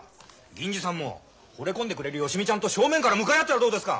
銀次さんもほれ込んでくれる芳美ちゃんと正面から向かい合ったらどうですか！？